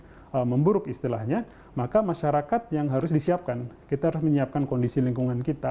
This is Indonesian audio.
jadi jika kejadian ekstrim akibat perubahan iklim yang sekarang memburuk istilahnya maka masyarakat yang harus disiapkan kita harus menyiapkan kondisi lingkungan kita